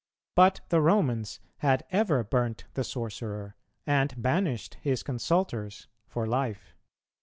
but the Romans had ever burnt the sorcerer, and banished his consulters for life.